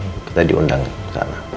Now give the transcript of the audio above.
kita diundang ke sana